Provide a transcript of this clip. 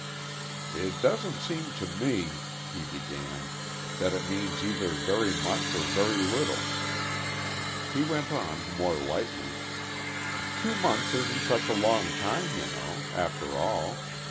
"It doesn't seem to me," he began, "that it means either very much or very little." He went on, more lightly: "Two months isn't such a long time, you know, after all.